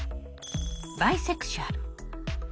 バイセクシュアル。